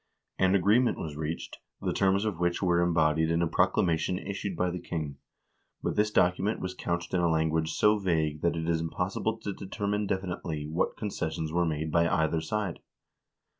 An agreement was reached, the terms of which were embodied in a proclamation issued by the king, but this document was couched in a language so vague that it is impossible to determine definitely what concessions were made by either side.